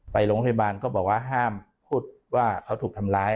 ไปโรงพยาบาลก็บอกว่าห้ามพูดว่าเขาถูกทำร้าย